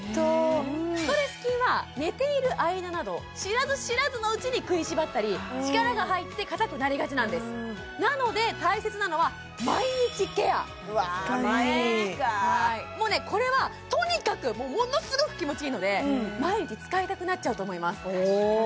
ストレス筋は寝ている間など知らず知らずのうちに食いしばったり力が入って硬くなりがちなんですなので大切なのは毎日ケアうわ毎日かもうねこれはとにかくものすごく気持ちいいので毎日使いたくなっちゃうと思います